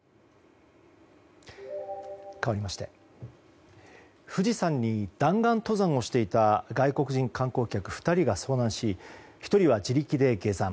かわりまして富士山に弾丸登山をしていた外国人観光客２人が遭難し１人は自力で下山。